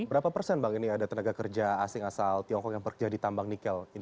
berapa persen bang ini ada tenaga kerja asing asal tiongkok yang kerja di tambang nikel ini